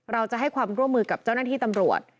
เราจะให้ความร่วมมือกับเจ้าหน้าที่ตำรวจ